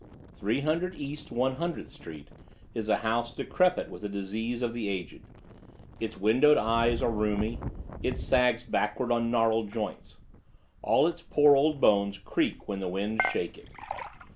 Three Hundred East One Hundredth Street is a house decrepit with a disease of the aged. Its windowed eyes are rheumy. It sags backward on gnarled joints. All its poor old bones creak when the winds shake it.